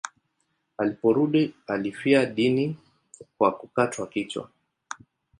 Aliporudi alifia dini kwa kukatwa kichwa.